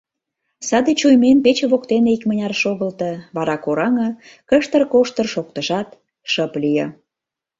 Саде чуймен пече воктене икмыняр шогылто, вара кораҥе, кыштыр-коштыр шоктышат, шып лие.